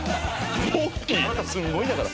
あなたすごいんだから。